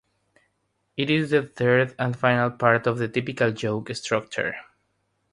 It is the third and final part of the typical joke structure.